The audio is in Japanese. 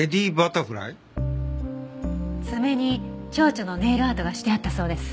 爪に蝶々のネイルアートがしてあったそうです。